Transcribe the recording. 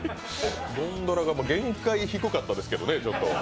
ゴンドラが限界低かったですけどね、ちょっと。